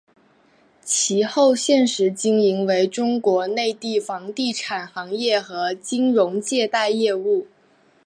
其后现时经营为中国内地房地产行业和金融借贷业务。